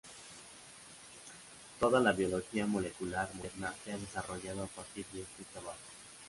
Toda la biología molecular moderna se ha desarrollado a partir de este trabajo.